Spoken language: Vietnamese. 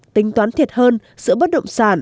tính toán thiệt hơn giữa bất động sản